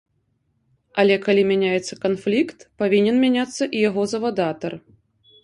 Але калі мяняецца канфлікт, павінен мяняцца і яго завадатар.